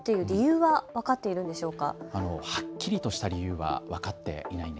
はっきりとした理由は分かっていません。